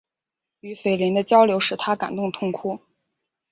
与斐琳的交流使他感动痛哭。